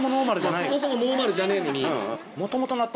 そもそもノーマルじゃねえのに。